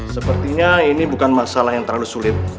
sepertinya ini bukan masalah yang terlalu sulit